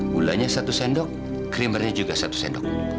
gulanya satu sendok krimernya juga satu sendok